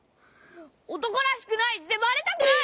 おとこらしくないってバレたくない！